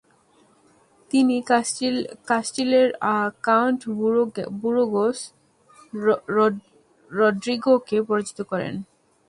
তিনি কাস্টিলের count Burgos রড্রিগোকে পরাজিত করেন।